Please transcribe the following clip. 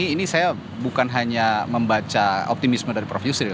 ini saya bukan hanya membaca optimisme dari prof yusril